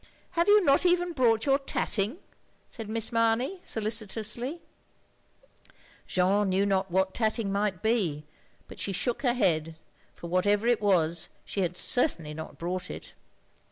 Have you not even brought your tatting? " said Miss Mamey, solicitously. Jeanne knew not what tatting might be, but she shook her head, for whatever it was, she had certainly not brought it.